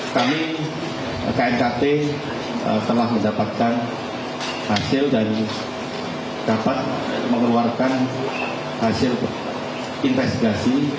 kami knkt telah mendapatkan hasil dan dapat mengeluarkan hasil investigasi